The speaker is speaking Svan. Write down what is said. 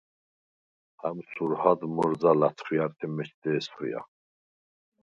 ჰამს ურჰად მჷრზა ლა̈თხვართე მეჩდე ესხვიახ.